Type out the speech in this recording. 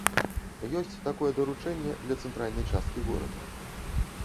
Ёсць такое даручэнне для цэнтральнай часткі горада.